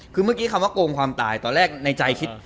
คือเมื่อกี้คำว่าโกงความตายตอนแรกในใจคิด